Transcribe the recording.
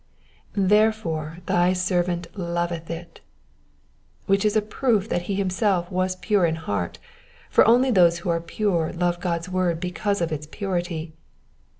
''^ Therefore thy servant hveth ity'^ which is a proof that he himself was pure in heart, for only those who are pure love God's word because of its purity.